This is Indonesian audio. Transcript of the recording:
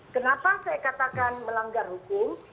kenapa saya katakan melanggar hukum